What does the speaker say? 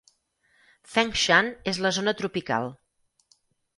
Fengshan és la zona tropical.